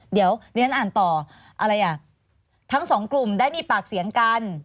เดี๋ยวดิฉันอ่านต่ออะไรอ่ะทั้งสองกลุ่มได้มีปากเสียงกัน